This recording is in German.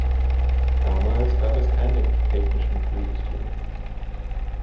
Damals gab es keine technischen Kühlsysteme.